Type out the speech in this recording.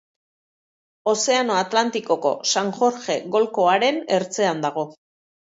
Ozeano Atlantikoko San Jorge golkoaren ertzean dago.